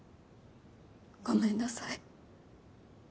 ごめんなさい。